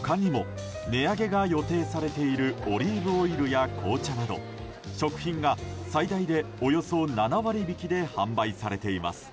他にも値上げが予定されているオリーブオイルや紅茶など食品が最大でおよそ７割引きで販売されています。